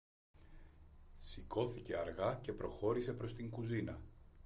Σηκώθηκε αργά και προχώρησε προς την κουζίνα